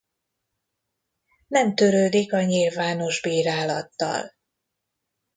Nem törődik a nyilvános bírálattal.